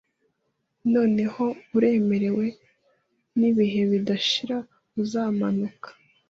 Noneho uremerewe nibihe bidashira uzamanuka